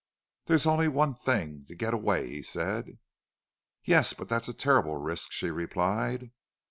"There's only one thing to get away," he said. "Yes, but that's a terrible risk," she replied.